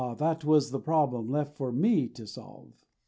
that was the problem left for ME to solve.